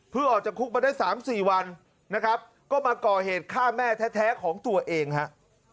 ออกจากคุกมาได้๓๔วันนะครับก็มาก่อเหตุฆ่าแม่แท้ของตัวเองฮะ